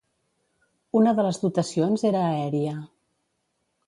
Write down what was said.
Una de les dotacions era aèria.